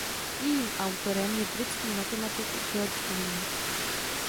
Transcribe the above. Jejím autorem je britský matematik George Green.